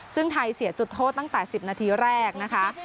ซึ่งไทยเสียจุดโทษตั้งแต่๑๐นาทีแรกนะคะ